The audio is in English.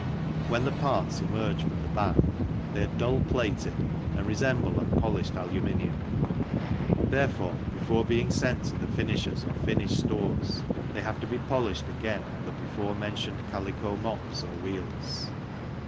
When the parts emerge from the bath they are dull plated and resemble unpolished aluminium ; therefore, before being sent to the finishers or finished stores they have to be polished again on the before mentioned calico mops or wheels.